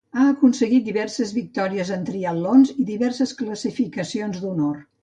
Ha aconseguit diverses victòries en triatlons i diverses classificacions d'honor.